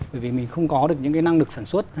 bởi vì mình không có được những cái năng lực sản xuất